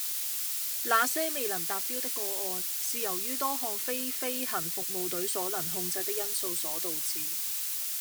那些未能達標的個案，是由於多項非飛行服務隊所能控制的因素所導致